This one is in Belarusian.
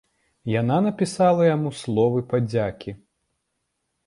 Яна напісала яму словы падзякі.